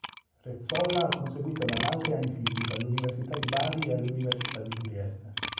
Rezzolla ha conseguito la laurea in fisica all'Università di Bari e all'Università di Trieste.